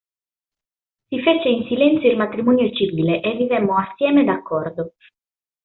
Si fece in silenzio il matrimonio civile e vivemmo assieme d'accordo.